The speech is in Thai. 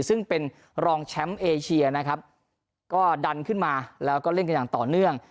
ซึ่งเป็นรองแชมป์เอเชียนะครับก็ดันขึ้นมาแล้วก็เล่นกันอย่างต่อเนื่อง